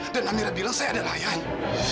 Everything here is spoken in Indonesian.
dan amira bilang saya adalah ayahnya